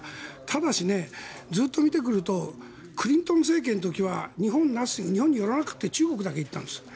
ただし、ずっと見てくるとクリントン政権の時は日本に寄らなくて中国にだけいったんです。